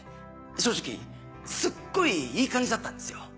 正直すっごいいい感じだったんですよ。